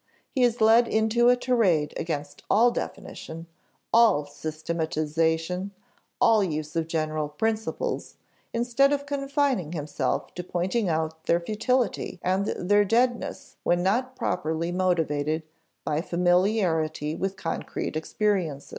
He is led into a tirade against all definition, all systematization, all use of general principles, instead of confining himself to pointing out their futility and their deadness when not properly motivated by familiarity with concrete experiences.